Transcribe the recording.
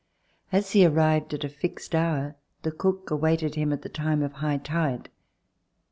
As he arrived at a fixed hour, the cook awaited him at the time of high tide.